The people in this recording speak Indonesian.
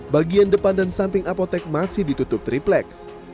bagian depan dan samping apotek masih ditutup tripleks